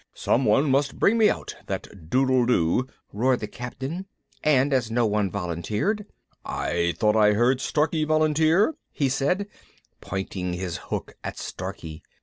"Someone must bring me out that doodledoo," roared the Captain, and, as no one volunteered, "I thought I heard Starkey volunteer," he said, pointing his hook at Starkey.